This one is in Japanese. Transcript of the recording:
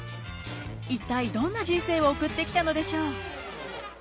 一体どんな人生を送ってきたのでしょう。